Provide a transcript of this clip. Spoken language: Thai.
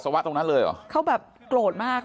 เมื่อเวลาอันดับ